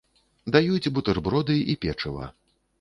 Даюць бутэрброды і печыва.